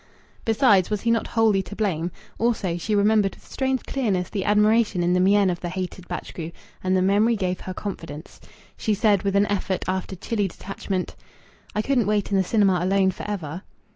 Besides, was he not wholly to blame? Also she remembered with strange clearness the admiration in the mien of the hated Batchgrew, and the memory gave her confidence. She said, with an effort after chilly detachment "I couldn't wait in the cinema alone for ever."